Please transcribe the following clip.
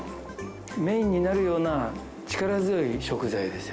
メインになるような力強い食材ですよね